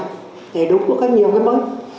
thì đúng có cái nhiều cái mới